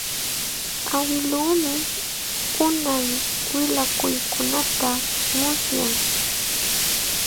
Awiluumi unay willakuykunata musyan.